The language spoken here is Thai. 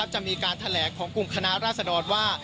จะมีการแถลงของกลุ่มคณะราษดรว่า